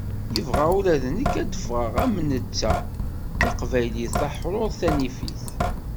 Yebɣa ula d nekk ad d-ffɣeɣ am netta d taqbaylit taḥrurt tanifit.